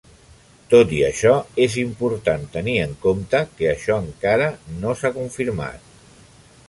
Tot i això, és important tenir en compte que això encara no s'ha confirmat.